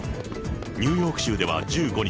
ニューヨーク州では１５日、